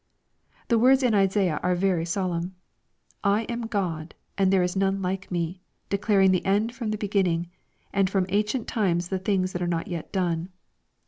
The words in Isaiah are very sol emn : "lain God, and there is none like me, declaring the end from the beginning, and from ancient times the things that are not yet done.''